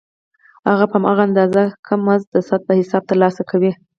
هغه په هماغه اندازه کم مزد د ساعت په حساب ترلاسه کوي